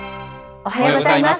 おはようございます。